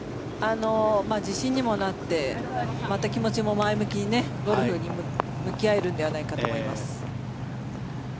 自信にもなってまた気持ちも前向きにゴルフに向き合えるのではないかと思います。